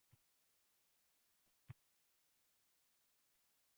Havo yana ochilib ketishi mumkin